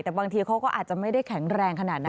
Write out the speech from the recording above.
แต่บางทีเขาก็อาจจะไม่ได้แข็งแรงขนาดนั้น